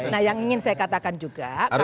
nah yang ingin saya katakan juga